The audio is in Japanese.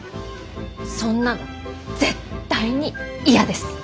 そんなの絶対に嫌です！